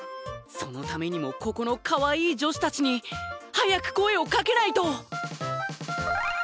そのためにもここのかわいい女子たちに早く声をかけないと！